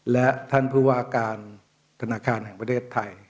และท่านผู้ว่าการธนาคารแห่งประเทศไทย